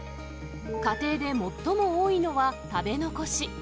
家庭で最も多いのは食べ残し。